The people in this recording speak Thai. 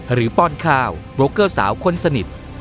หรือปอนด์คาวโบรกเกอร์สาวคนสนิท